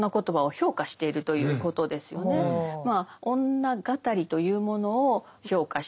女語りというものを評価し